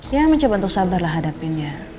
ya mencoba untuk sabarlah hadapin dia